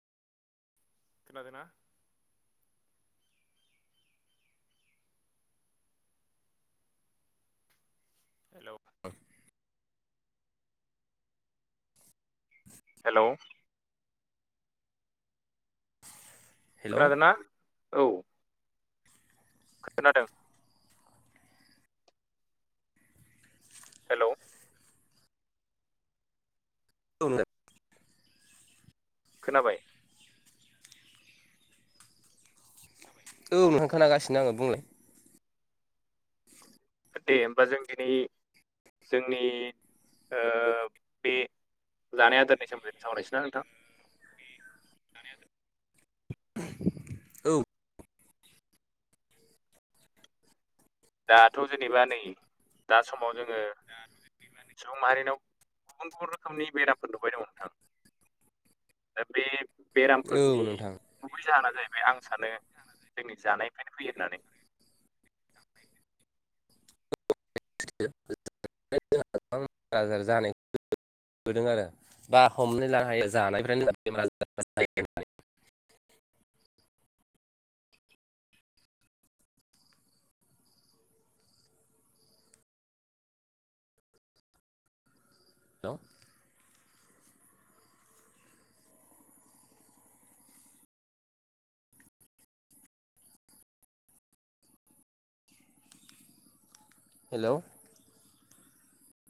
खोनादो ना? हेलौ। ओ। हेलौ हेल' औ खोनादो ना? औ। खोनादों। हेलौ। औ [unintelligible] खोनाबाय? औ नोंथां खोनागासिनो आङो बुंलाय। दे होमबा जों दिनै जोंनि ओ बे जानाय आदारनि सोमोन्दै सावरायसै ना नोंथां? औ। दाथ' जेनेबा नै दा समाव जोङो सुबुं माहारिनाव गुबुन गुबुन रोखोमनि बेरामफोर नुबाय दङ' नोंथां। दा बे औ बेरामफोरनि नोंथां गुबै जाहोना जाहैबाय आं सानो जोंनि जानायनिफ्रायनो फैयो होननानै। [unintelligible] आजार जानायखौ [unintelligible] होदों आरो बा हमनानै लानो हायो [unintelligible] [unintelligible] हेलौ